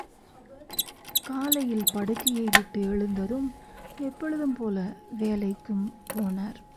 காலையில் படுக்கையை விட்டு எழுந்ததும், எப்பொழுதும் போல வேலைக்கும் போனார்.